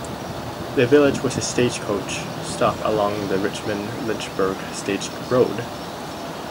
The village was a stagecoach stop along the Richmond-Lynchburg stage road.